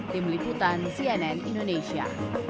tim liputan cnn indonesia